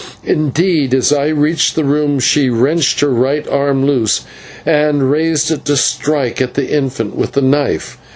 Indeed, as I reached the room, she wrenched her right arm loose and raised it to strike at the infant with the knife.